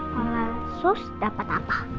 kalau sus dapet apa